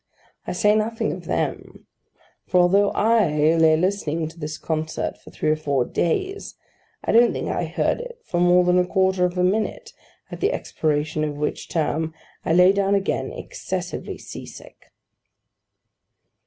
I say nothing of them: for although I lay listening to this concert for three or four days, I don't think I heard it for more than a quarter of a minute, at the expiration of which term, I lay down again, excessively sea sick.